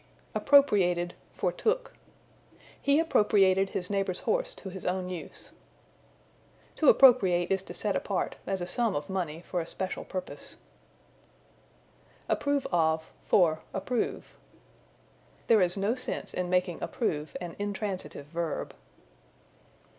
Appropriated for Took. "He appropriated his neighbor's horse to his own use." To appropriate is to set apart, as a sum of money, for a special purpose. Approve of for Approve. There is no sense in making approve an intransitive verb.